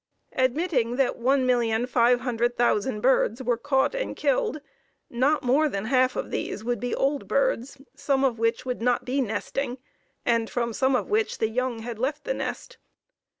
Admitting that 1,500,000 birds were caught and killed, not more than half of these would be old birds, some of which would not be nesting, and from some of which the young had left the nest.